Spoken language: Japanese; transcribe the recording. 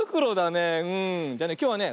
じゃあね